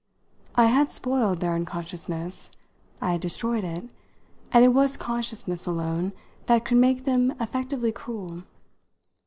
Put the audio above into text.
I had spoiled their unconsciousness, I had destroyed it, and it was consciousness alone that could make them effectively cruel.